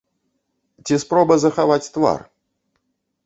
Ці спроба захаваць твар?